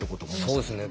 そうですね。